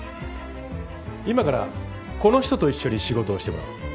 今からこの人と一緒に仕事をしてもらう。